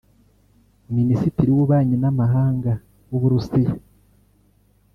Minisitiri w’Ububanyi n’Amahanga w’u Burusiya